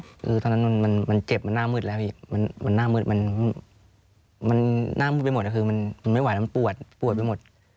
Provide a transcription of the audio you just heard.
คือตอนนั้นมันเจ็บมันหน้ามืดแล้วพี่มันหน้ามืดมันหน้ามืดไปหมดคือมันไม่ไหวมันปวดปวดไปหมด